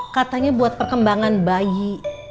katanya buat perkembangan bayi